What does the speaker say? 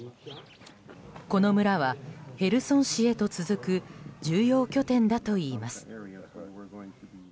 この村はヘルソン市へと続く重要拠点だといいます。